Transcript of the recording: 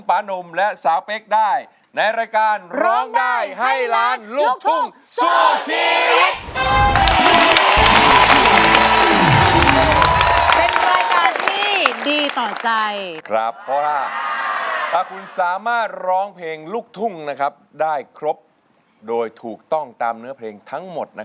เพราะถ้าคุณสามารถร้องเพลงลูกทุ่งได้ครบโดยถูกต้องตามเนื้อเพลงทั้งหมด